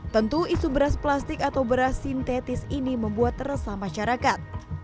tentu isu beras plastik atau beras sintetis ini membuat resah masyarakat